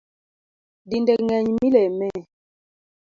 Dinde ngeny mileme